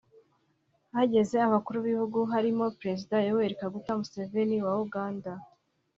hageze abakuru b’Igihugu barimo Perezida Yoweri Kaguta Museveni wa Uganda